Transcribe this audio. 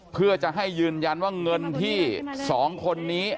เพื่อจะให้ยืนยันว่าเงินที่๒คนนี้